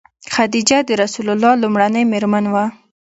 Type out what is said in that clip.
خدیجه د رسول الله ﷺ لومړنۍ مېرمن وه.